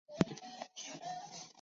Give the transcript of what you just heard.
特雷迪代尔人口变化图示